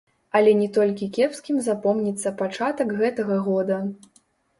Але не толькі кепскім запомніцца пачатак гэтага года.